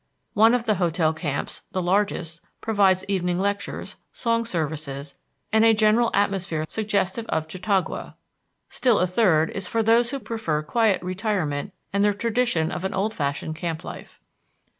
One of the hotel camps, the largest, provides evening lectures, song services, and a general atmosphere suggestive of Chatauqua. Still a third is for those who prefer quiet retirement and the tradition of old fashioned camp life.